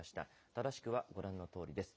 正しくは、ご覧のとおりです。